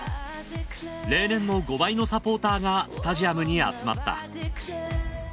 例年の５倍のサポーターがスタジアムに集まった。